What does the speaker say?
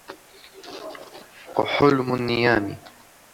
وَحُلْمُ النِّيَامِ